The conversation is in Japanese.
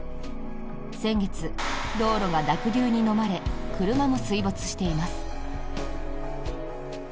先月、道路が濁流にのまれ車も水没しています。